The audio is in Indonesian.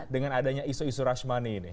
dengan adanya isu isu rashmani ini